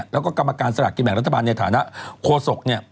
แล้วก็กรรมการสลากกินแบ่งรัฐบาลในฐานะโคศกเนี่ย